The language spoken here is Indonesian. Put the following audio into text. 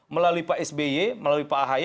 melalui pak sby melalui pak ahy